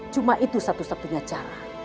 cuma itu satu satunya cara